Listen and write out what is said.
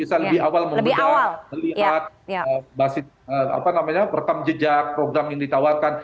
sejak program yang ditawarkan